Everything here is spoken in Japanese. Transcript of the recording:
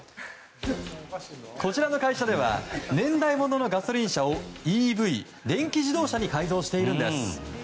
こちらの会社では年代物のガソリン車をＥＶ・電気自動車に改造しているんです。